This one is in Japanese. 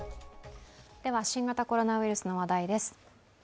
新型コロナウイルスの話題です。